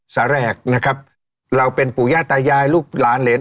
แสแรกนะครับเราเป็นปู่ย่าตายายลูกหลานเหรน